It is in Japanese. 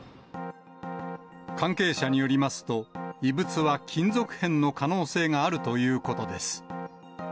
関係者によりますと、異物は金属片の可能性があるということです。